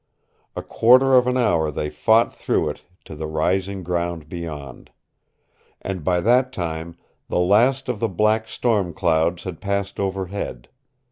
A quarter of an hour they fought through it to the rising ground beyond. And by that time the last of the black storm clouds had passed overhead.